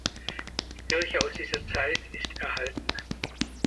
Die Kirche aus dieser Zeit ist erhalten.